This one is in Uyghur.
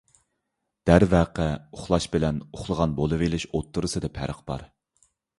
دەرۋەقە، ئۇخلاش بىلەن ئۇخلىغان بولۇۋېلىش ئوتتۇرىسىدا پەرق بار.